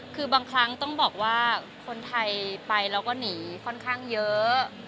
คือบางครั้งต้องบอกว่าคนไทยไปแล้วก็หนีค่อนข้างเยอะ